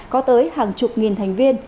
có tới hàng chục nghìn thành viên